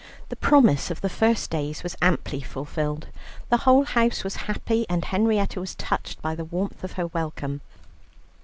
The promise of the first days was amply fulfilled; the whole house was happy, and Henrietta was touched by the warmth of her welcome.